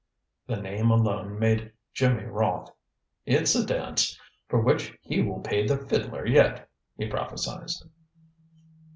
The name alone made Jimmy wroth. "It's a dance for which he will pay the fiddler yet!" he prophesied.